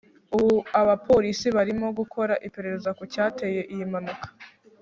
ubu abapolisi barimo gukora iperereza ku cyateye iyi mpanuka